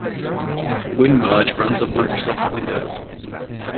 WinMerge runs on Microsoft Windows.